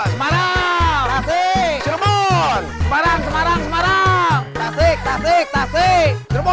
semarang semarang semarang tasik tasik tasik